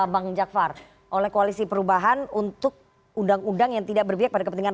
bang jakfar oleh koalisi perubahan untuk undang undang yang tidak berpihak pada kepentingan